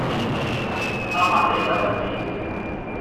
阿伯你想去邊